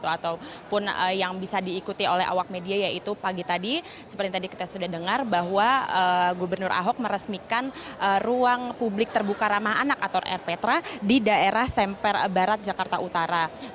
ataupun yang bisa diikuti oleh awak media yaitu pagi tadi seperti tadi kita sudah dengar bahwa gubernur ahok meresmikan ruang publik terbuka ramah anak atau rptra di daerah semper barat jakarta utara